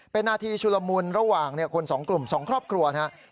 เป็นนาทีชุลมุนระหว่างคน๒กลุ่ม๒ครอบครัวนะครับ